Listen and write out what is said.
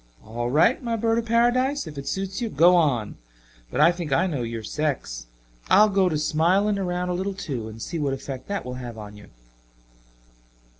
All right, my bird of Paradise, if it suits you, go on. But I think I know your sex. I'll go to smiling around a little, too, and see what effect that will have on you."